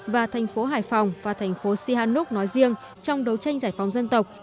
và thành phố hải phòng và thành phố sihanuk nói riêng trong đấu tranh giải phóng dân tộc